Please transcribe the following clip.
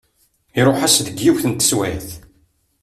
Iruḥ-as deg yiwet n teswiɛt.